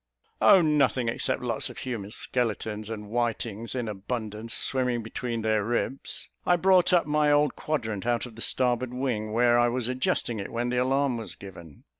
"Oh, nothing, except lots of human skeletons, and whitings in abundance, swimming between their ribs. I brought up my old quadrant out of the starboard wing, where I was adjusting it when the alarm was given.